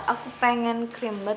aku pengen krim bat